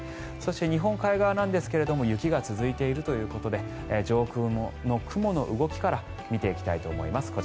そして日本海側なんですが雪が続いているということで上空の雲の動きから見ていきたいと思います。